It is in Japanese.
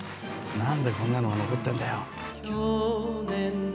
何でこんなのが残ってるんだよ。